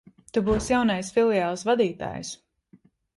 Tu būsi jaunais filiāles vadītājs.